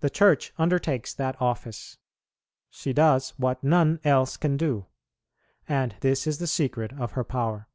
The Church undertakes that office; she does what none else can do, and this is the secret of her power.